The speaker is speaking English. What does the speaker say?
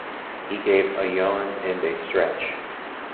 He gave a yawn and a stretch.